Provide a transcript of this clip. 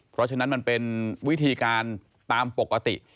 เพราะฉะนั้นมันเป็นวิธีการตามปกติ